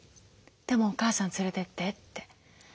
でもお母さん連れてって」って。